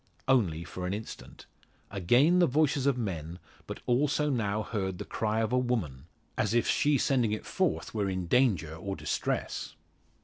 Only for an instant. Again the voices of men, but now also heard the cry of a woman, as if she sending it forth were in danger or distress!